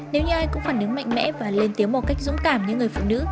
nếu như ai cũng phản ứng mạnh mẽ và lên tiếng một cách dũng cảm như người phụ nữ